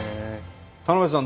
田辺さん